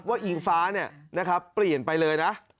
อิงฟ้าเปลี่ยนไปเลยนะ